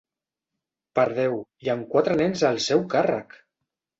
Per Déu, i amb quatre nens al seu càrrec!